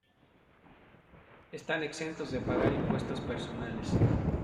Están exentos de pagar impuestos personales.